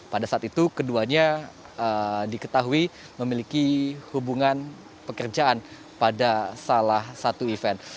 pada saat itu keduanya diketahui memiliki hubungan pekerjaan pada salah satu event